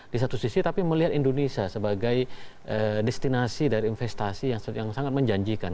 di satu sisi tapi melihat indonesia sebagai destinasi dari investasi yang sangat menjanjikan